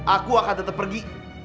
aku akan tetap pergi